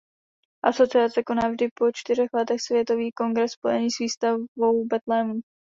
Asociace koná vždy po čtyřech letech světový kongres spojený s výstavou betlémů.